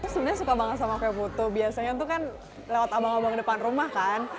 sebenarnya suka banget sama kayak foto biasanya tuh kan lewat abang abang depan rumah kan